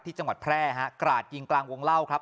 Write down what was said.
จังหวัดแพร่ฮะกราดยิงกลางวงเล่าครับ